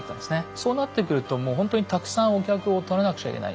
そうなってくるともうほんとにたくさんお客をとらなくちゃいけない。